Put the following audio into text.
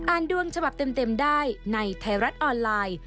ดวงฉบับเต็มได้ในไทยรัฐออนไลน์